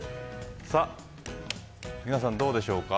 皆さん、どうでしょうか。